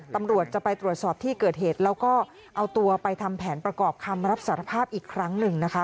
ตำรวจจะไปตรวจสอบที่เกิดเหตุแล้วก็เอาตัวไปทำแผนประกอบคำรับสารภาพอีกครั้งหนึ่งนะคะ